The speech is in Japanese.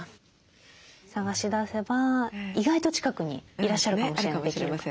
探し出せば意外と近くにいらっしゃるかもしれない。